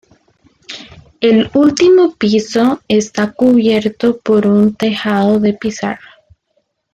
El último piso está cubierto por un tejado de pizarra.